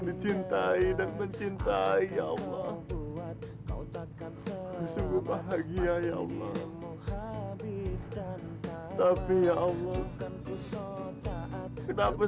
dicintai dan mencintai allah kau takkan sehat sungguh bahagia ya allah tapi ya allah kenapa